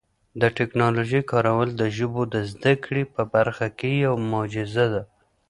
د ټکنالوژۍ کارول د ژبو د زده کړې په برخه کي یو معجزه ده.